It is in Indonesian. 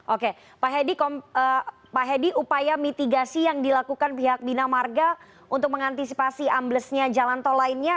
oke pak hedi upaya mitigasi yang dilakukan pihak bina marga untuk mengantisipasi amblesnya jalan tol lainnya